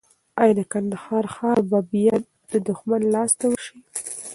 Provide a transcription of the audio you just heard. ایا د کندهار ښار به بیا د دښمن لاس ته ورشي؟